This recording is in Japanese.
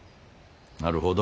なるほど。